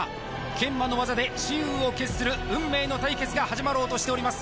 研磨の技で雌雄を決する運命の対決が始まろうとしております